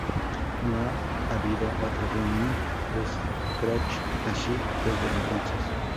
No ha habido otra reunión de Scratch Acid desde entonces.